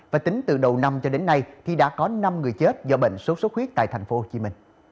và tính từ đầu năm cho đến nay thì đã có năm người chết do bệnh sốt xuất huyết tại tp hcm